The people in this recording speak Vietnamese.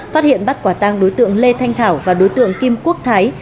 phát hiện bắt quả tang đối tượng lê thanh thảo và đối tượng kim quốc thái